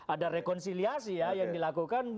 ada rekonsiliasi yang dilakukan